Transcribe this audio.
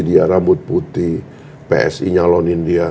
dia rambut putih psi nyalonin dia